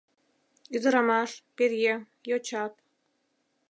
Ӱдырамаш, пӧръеҥ, йочат